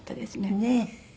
ねえ。